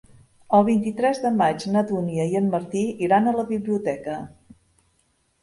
El vint-i-tres de maig na Dúnia i en Martí iran a la biblioteca.